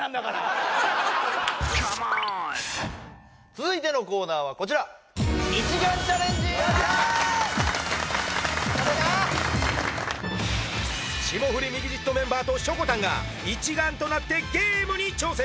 続いてのコーナーはこちら「霜降りミキＸＩＴ」メンバーとしょこたんがイチガンとなってゲームに挑戦